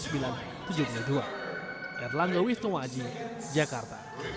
berita terkini dari jepang